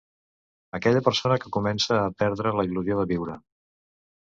Aquella persona que comença a perdre la il·lusió de viure.